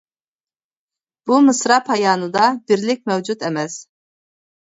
بۇ مىسرا پايانىدا بىرلىك مەۋجۇت ئەمەس.